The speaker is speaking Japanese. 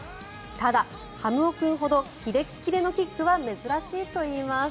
ただ、はむお君ほどキレッキレのキックは珍しいといいます。